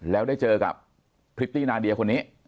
แล้วได้เจอกับพริตตี้นาเดียคนนี้